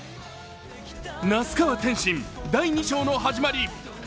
那須川天心、第２章の始まり。